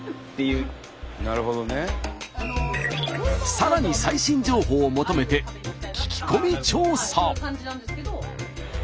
さらに最新情報を求めて聞き込み調査。